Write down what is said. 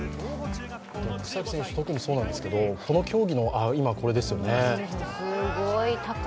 草木選手、特にそうなんですけど、今、これですよね。